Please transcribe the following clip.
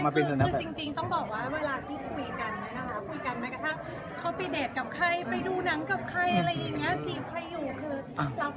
มันจริงต้องบอกว่าเวลาที่เราเจอคุยกัน